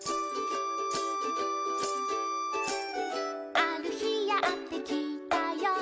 「あるひやってきたよ」